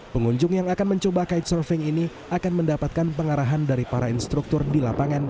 pengunjung yang akan mencoba guide surfing ini akan mendapatkan pengarahan dari para instruktur di lapangan